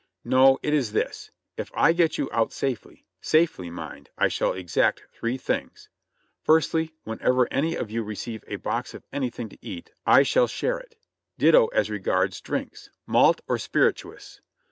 "No, it is this : If I get you out safely — safely, mind, I shall exact three things : Firstly, whenever any of you receive a box of anything to eat I shall share it ; ditto as regards drinks, malt or spirituous.